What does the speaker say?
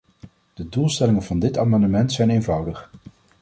De doelstellingen van dit amendement zijn eenvoudig.